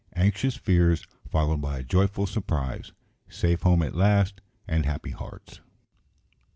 Anxious fears followed by a joyful surprise Safe home at last, and happy hearts.